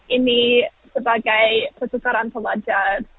ini sebagai kesukaran pelajar